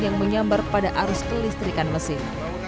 yang menyambar pada arus kelistrikan mesin